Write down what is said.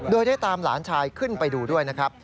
โดยได้ตามหลานชายขึ้นไปดูด้วยนะครับ